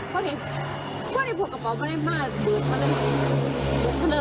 พวกนี้พวกกับพรมมาได้บ้างเบือมาแล้ว